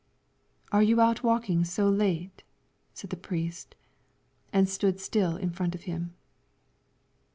"Are you out walking so late?" said the priest, and stood still in front of him.